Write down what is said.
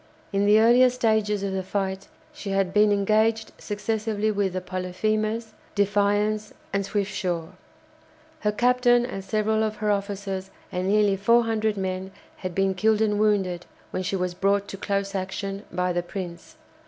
In the earlier stages of the fight she had been engaged successively with the "Polyphemus," "Defiance," and "Swiftsure." Her captain and several of her officers and nearly 400 men had been killed and wounded when she was brought to close action by the "Prince."